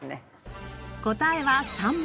答えは３番。